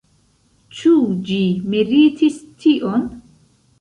Ĉu ĝi meritis tion?